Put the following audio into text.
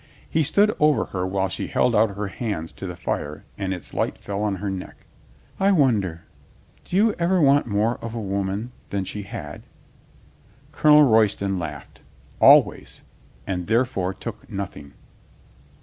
... He stood over her while she held out her 'hands to the fire and its light fell on her neck. "I wonder. ... Did you ever want more of a woman than she had?" Colonel Royston laughed. "Always. And there fore took nothing."